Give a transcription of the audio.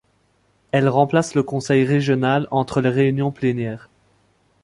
Elle remplace le conseil régional entre les réunions plénières.